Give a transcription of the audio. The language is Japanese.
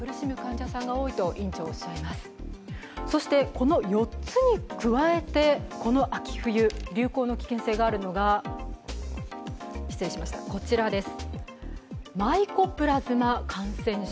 この４つに加えて、この秋冬流行の危険性があるのがこちらです。